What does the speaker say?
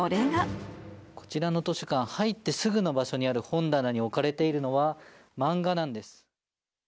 こちらの図書館、入ってすぐの場所にある本棚に置かれているのは、漫画なんです。